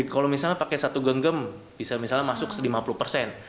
kalau misalnya pakai satu genggem bisa misalnya masuk lima puluh persen